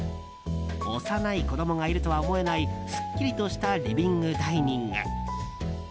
幼い子供がいるとは思えないすっきりとしたリビングダイニング。